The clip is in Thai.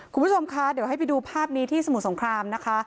คุณผู้ชมคะเดี๋ยวให้ไปดูภาพนี้ที่สมุทรสงครามนะคะ